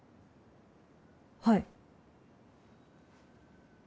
はい。